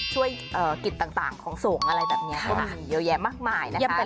ธุรกิจต่างของสงฆ์อะไรแบบนี้ก็มีเยอะแยะมากมายนะคะ